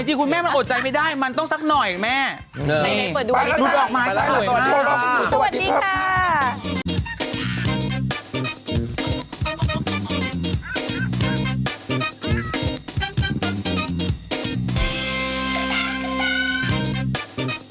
ดูดอกไม้ของตัวหน้าค่ะ